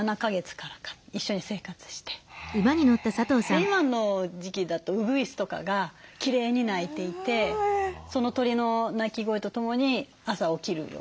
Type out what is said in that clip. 今の時期だとウグイスとかがきれいに鳴いていてその鳥の鳴き声とともに朝起きるような生活というか。